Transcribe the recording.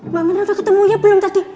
mbak minah udah ketemu ya belum tadi